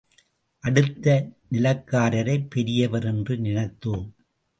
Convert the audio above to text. அடுத்து நிலக்காரரைப் பெரியவர் என்று நினைத்தோம்.